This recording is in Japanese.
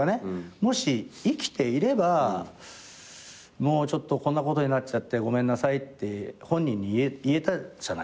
もし生きていればもうちょっとこんなことになっちゃってごめんなさいって本人に言えたじゃない。